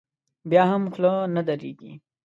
بیا هم خوله نه درېږي.